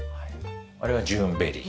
あれはジューンベリー。